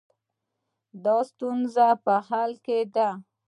دا د ستونزو په حل کې ده.